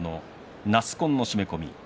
なす紺の締め込み。